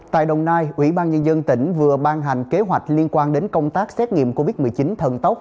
tại đồng nai ủy ban nhân dân tỉnh vừa ban hành kế hoạch liên quan đến công tác xét nghiệm covid một mươi chín thần tốc